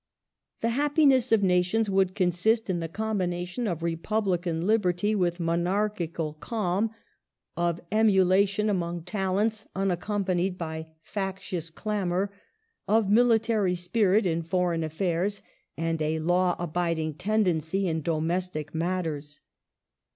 The happiness of nations would consist in the combination of Republican liberty with monarchical calm, of emulation among talents Digitized by VjOOQIC 212 MADAME DE STAEL. unaccompanied by factious clamor, of military spirit in foreign affairs, and a law abiding ten dency in domestic matters.